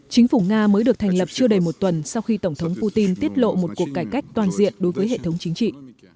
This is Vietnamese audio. chính phủ nga mới được thành lập chưa đầy một tuần sau khi tổng thống putin tiết lộ một cuộc cải cách toàn diện đối với hệ thống chính trị